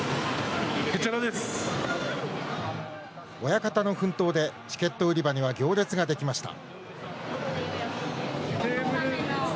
親方の奮闘でチケット売り場には行列ができました。